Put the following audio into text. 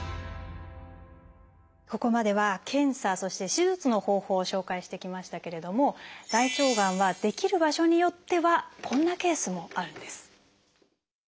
ここまでは検査そして手術の方法を紹介してきましたけれども大腸がんは出来る場所によってはこんなケースもあるんです。